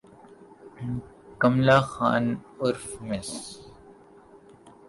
کمالہ خان عرف مس